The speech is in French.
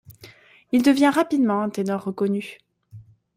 Il devient rapidement un ténor reconnu.